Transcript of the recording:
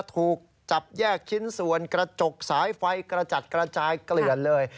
ถูกจับแยกชิ้นส่วนกระจกสายไฟกระจัดกระจายเกลื่อนเลย